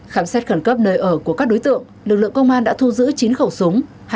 khám xét khẩn cấp nơi ở của các đối tượng lực lượng công an đã thu giữ chín khẩu súng